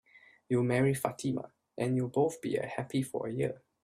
You'll marry Fatima, and you'll both be happy for a year.